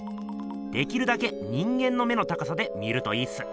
できるだけ人間の目の高さで見るといいっす。